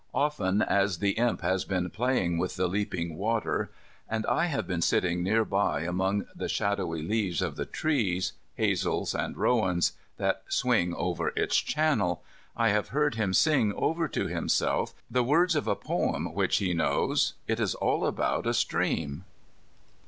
Often as the Imp has been playing with the leaping water, and I have been sitting near by among the shadowy leaves of the trees, hazels and rowans, that swing over its channel, I have heard him sing over to himself the words of a poem which he knows. It is all about a stream.